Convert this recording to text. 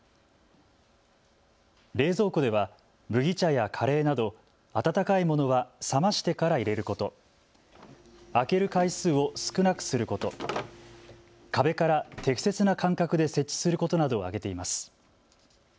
冷蔵庫では麦茶やカレーなど温かいものは冷ましてから入れること、開ける回数を少なくすること、壁から適切な間隔で設置することなどを挙げています。